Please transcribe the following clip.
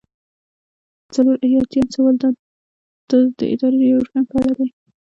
څلور ایاتیام سوال د اداري ریفورم په اړه دی.